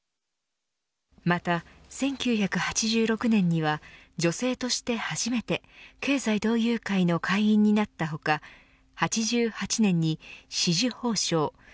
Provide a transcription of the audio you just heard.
また、１９８６年には女性として初めて経済同友会の会員になった他８８年に紫綬褒章